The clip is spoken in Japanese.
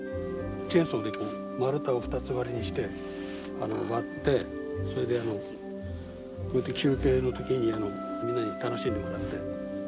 チェーンソーで丸太を２つ割りにして割ってそれでこうやって休憩の時にみんなに楽しんでもらって。